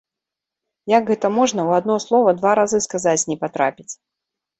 Як гэта можна ў адно слова два разы сказаць не патрапіць?